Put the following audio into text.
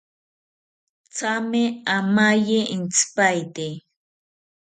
Thame amaye intzipaete